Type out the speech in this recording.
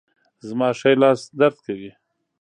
زما ښي لاس درد کوي